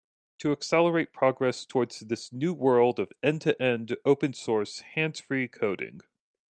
To accelerate progress towards this new world of end-to-end open source hands-free coding.